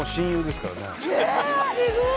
・すごい！